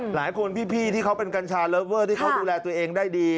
หลายคนพี่ที่เขาเป็นกัญชาเลิฟเวอร์ที่เขาดูแลตัวเองได้ดี